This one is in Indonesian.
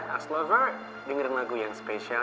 ask lovers dengerin lagu yang spesial